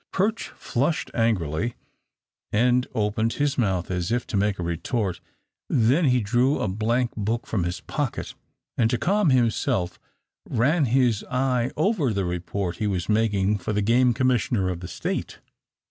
Perch flushed angrily and opened his mouth as if to make a retort. Then he drew a blank book from his pocket, and to calm himself ran his eye over the report he was making for the game commissioner of the State.